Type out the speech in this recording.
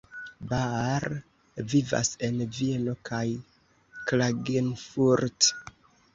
Baar vivas en Vieno kaj Klagenfurt.